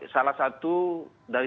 salah satu dari